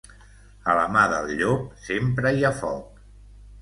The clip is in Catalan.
A la mà del llop sempre hi ha foc.